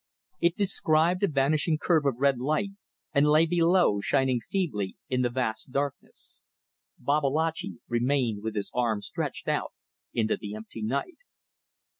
It described a vanishing curve of red light, and lay below, shining feebly in the vast darkness. Babalatchi remained with his arm stretched out into the empty night.